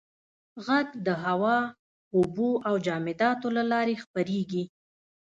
• ږغ د هوا، اوبو او جامداتو له لارې خپرېږي.